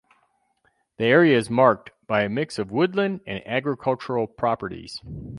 The area is marked by a mix of woodland and agricultural properties.